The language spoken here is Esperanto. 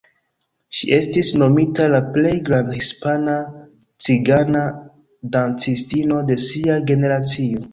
Ŝi estis nomita "la plej granda hispana cigana dancistino de sia generacio".